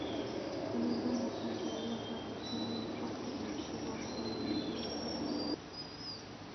曾任中国科学院上海生物化学与细胞生物学研究所研究员。